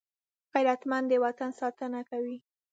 غیرتمند د وطن ساتنه کوي